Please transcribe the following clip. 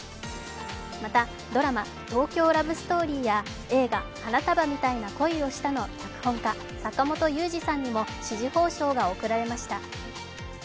また、ドラマ「東京ラブストーリー」や映画「花束みたいな恋をした」の脚本家の坂元裕二さんにも紫綬褒章が贈られました。